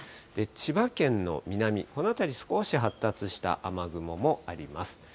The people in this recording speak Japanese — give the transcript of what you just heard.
千葉県の南、この辺り、少し発達した雨雲もあります。